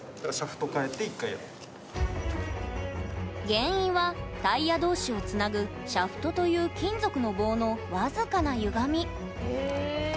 原因はタイヤどうしをつなぐシャフトという金属の棒の僅かなゆがみ。